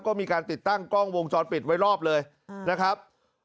ก็มีการติดตั้งกล้องวงจรปิดไว้รอบเลยนะครับ